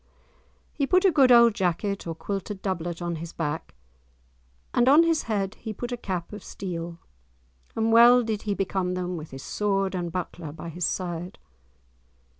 He put a good old jack or quilted doublet on his back, and on his head he put a cap of steel, and well did he become them with his sword and buckler by his side!